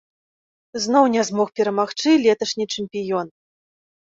Зноў не змог перамагчы леташні чэмпіён.